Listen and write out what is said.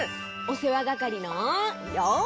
おせわがかりのようせい！